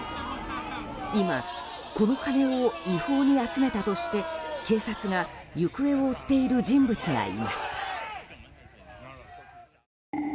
今、この金を違法に集めたとして警察が行方を追っている人物がいます。